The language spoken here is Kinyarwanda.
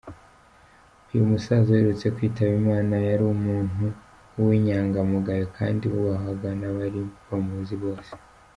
Uyumusaza uherutse kwitaba Imana yari umuntu w’inyangamugayo kandi wubahwaga n’abari bamuzi bose.